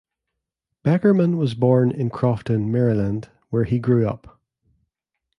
Beckerman was born in Crofton, Maryland, where he grew up.